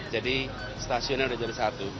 jadi stasiunnya sudah jadi satu